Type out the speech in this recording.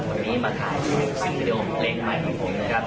วันนี้มาถ่ายคลิปวิดีโอเพลงใหม่ของผมนะครับ